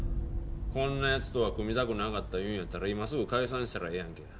こんな奴とは組みたくなかったいうんやったら今すぐ解散したらええやんけ。